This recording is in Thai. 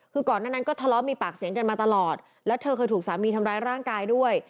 คือก่อนหน้านั้นก็ทะเลาะมีปากเสียงกันมาตลอดแล้วเธอเคยถูกสามีทำร้ายร่างกายด้วย